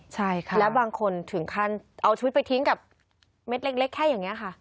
ใช่ค่ะแล้วบางคนถึงขั้นเอาชีวิตไปทิ้งกับเม็ดเล็กแค่อย่างนี้ค่ะ